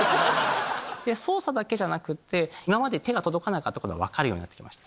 操作だけじゃなくて今まで手が届かなかったことが分かるようになってきました。